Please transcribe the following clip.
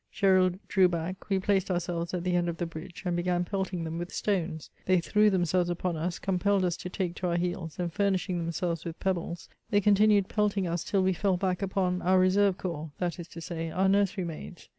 Gesril drew back : we placed ourselves at the end of the bridge, and began pelting them with stones. They threw themselves upon us, compelled us to take to our heels, and fumbhing themselves with pebbles, they continued pelting us till we fell back upon our reserve corps ; that is to say, our nur sery maids.